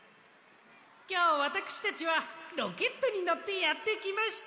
きょうわたくしたちはロケットにのってやってきました！